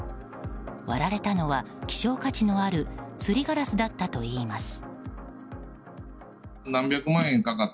割られたのは、希少価値のあるすりガラスだったといいます。